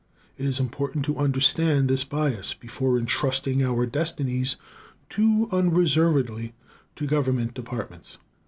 It is important to understand this bias before entrusting our destinies too unreservedly to government departments.